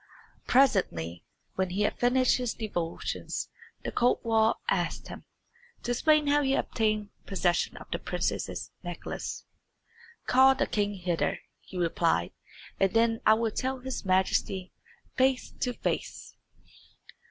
Presently, when he had finished his devotions, the kotwal asked him to explain how he had obtained possession of the princess's necklace. "Call the king hither," he replied, "and then I will tell his Majesty face to face."